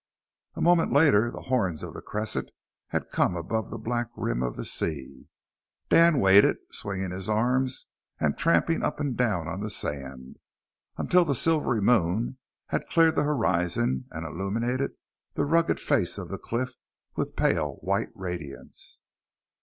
A moment later the horns of the crescent had come above the black rim of the sea. Dan waited, swinging his arms and tramping up and down on the sand, until the silvery moon had cleared the horizon and illuminated the rugged face of the cliff with pale white radiance.